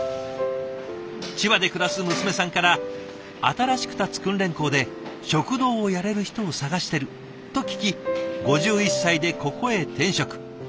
千葉で暮らす娘さんから新しく建つ訓練校で食堂をやれる人を探してると聞き５１歳でここへ転職。